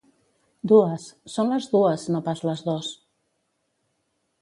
Dues, són les dues no pas les dos